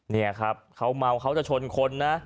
นี่ครับเขาเมาเขาจะชนคนนะ